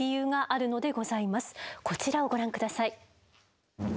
こちらをご覧下さい。